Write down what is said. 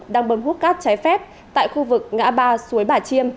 đang bơm hút cát trái phép tại khu vực ngã ba suối bả chiêm